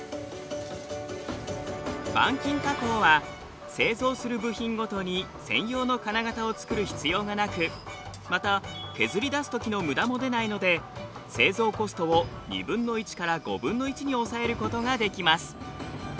板金加工は製造する部品ごとに専用の金型を作る必要がなくまた削り出すときのむだも出ないので製造コストを２分の１から５分の１に抑えることができます。